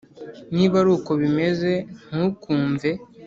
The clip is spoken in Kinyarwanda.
Niba ari uko bimeze ntukumve